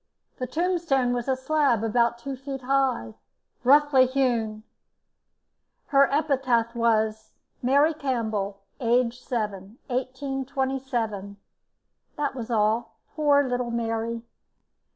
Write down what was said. The tombstone was a slab about two feet high, roughly hewn. Her epitaph was, "Mary Campbell, aged 7. 1827." That was all. Poor little Mary.